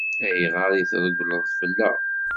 Ayɣer i treggleḍ fell-aɣ?